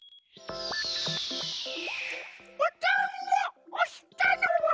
ボタンをおしたのはだれだ？